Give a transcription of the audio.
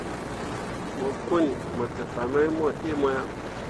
Mo kõoni mo te fah mai mu ɗii mo ah.